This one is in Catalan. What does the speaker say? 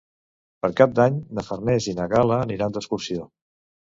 Per Cap d'Any na Farners i na Gal·la aniran d'excursió.